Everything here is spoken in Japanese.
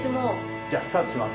じゃあスタートします。